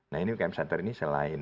nah ini ukm center ini selain